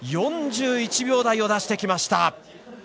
４１秒台を出してきました。